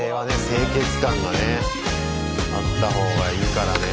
清潔感がねあった方がいいからね。